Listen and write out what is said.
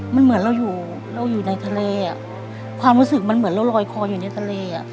มันเหมือนเราอยู่ในทะเลความรู้สึกเหมือนเราลอยคออยู่ในทะเล